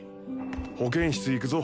保健室行くぞ。